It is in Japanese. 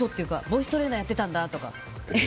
ボイストレーナーをやってたんだとか。